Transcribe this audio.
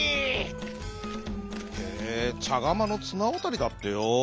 「へえちゃがまのつなわたりだってよ」。